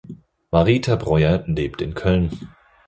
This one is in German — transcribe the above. Marita Breuer lebt in Köln.